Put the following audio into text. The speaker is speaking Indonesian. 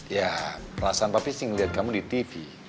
ya perasaan papi sih ngelihat kamu di tv